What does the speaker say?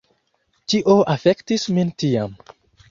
Tio afektis min tiam.